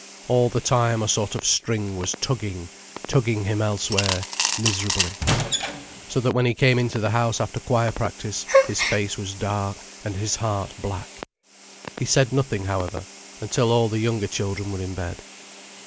All the time a sort of string was tugging, tugging him elsewhere, miserably. So that when he came into the house after choir practice his face was dark and his heart black. He said nothing however, until all the younger children were in bed.